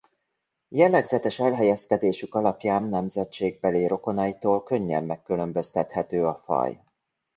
Jellegzetes elhelyezkedésük alapján nemzetségbeli rokonaitól könnyen megkülönböztethető a faj.